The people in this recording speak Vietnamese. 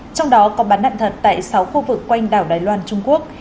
trong đó có bắn đạn thật tại sáu khu vực quanh đảo đài loan trung quốc